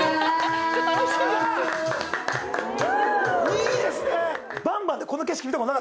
いいですね！